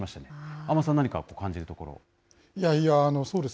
安間さん、何か感じるところありますか。